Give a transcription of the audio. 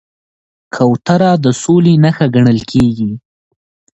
کوتره د سولې نښه ګڼل کېږي.